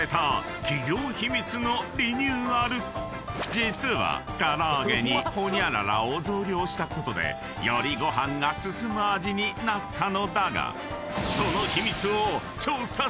［実はから揚げにホニャララを増量したことでよりご飯が進む味になったのだがその］